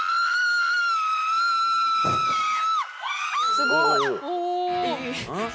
すごい！